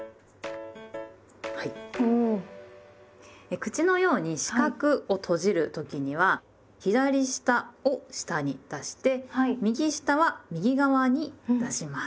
口のように四角を閉じる時には左下を下に出して右下は右側に出します。